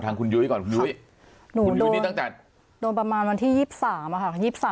ทางคุณยุ้ยก่อนคุณยุ้ยตั้งแต่โดนประมาณวันที่๒๓อ่ะค่ะ